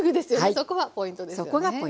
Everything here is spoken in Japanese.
そこがポイントです。